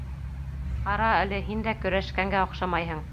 Ҡара әле, һин дә көрәшкәнгә оҡшамайһың!